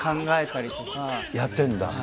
やってるんだ。